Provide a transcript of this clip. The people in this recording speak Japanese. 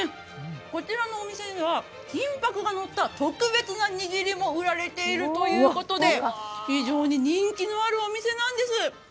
こちらのお店では金ぱくがのった特別な握りも売られているということで非常に人気のあるお店なんです。